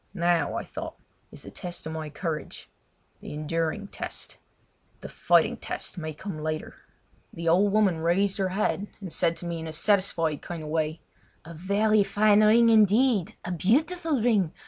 Now, I thought, is the test of my courage—the enduring test: the fighting test may come later! The old woman raised her head and said to me in a satisfied kind of way: "A very fine ring, indeed—a beautiful ring!